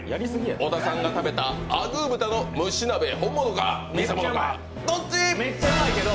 小田さんが食べたあぐー豚の蒸し鍋、本物か偽物か、どっち！？